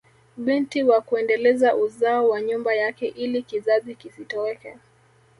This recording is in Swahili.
Binti wa kuendeleza uzao wa nyumba yake ili kizazi kisitoweke